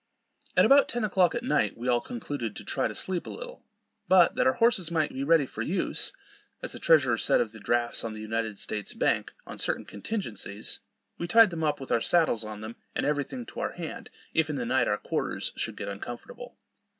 At about ten o'clock at night we all concluded to try to sleep a little; but that our horses might be ready for use, as the treasurer said of the drafts on the United States' bank, on certain "contingences," we tied them up with our saddles on them, and every thing to our hand, if in the night our quarters should get uncomfortable.